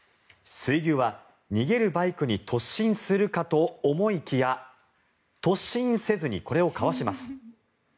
水牛は逃げるバイクに突進するかと思いきや突進せずに、これをかわします。